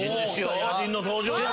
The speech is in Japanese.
野人の登場だ